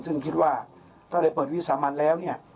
ซึ่งคิดว่าถ้าได้เปิดวิสามันแล้วเนี่ย